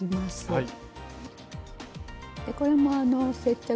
はい。